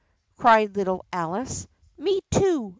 cried little Alice. "Me too!"